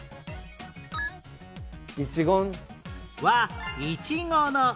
は「イチゴの」